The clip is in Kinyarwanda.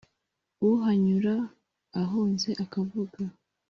Uhanyura ahunze akavuga